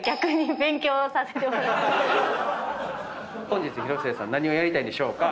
本日広末さん何をやりたいんでしょうか？